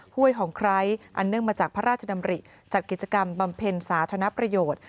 ห้วยของไคร้อันเนื่องมาจากพระราชดำริจัดกิจกรรมบำเพ็ญสาธารณประโยชน์